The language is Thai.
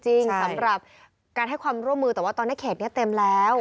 สำหรับการให้ความร่วมมือแต่ว่าตอนนี้เขตนี้เต็มแล้ว